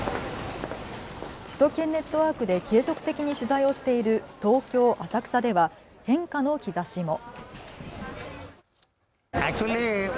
首都圏ネットワークで継続的に取材をしている東京、浅草では変化の兆しも。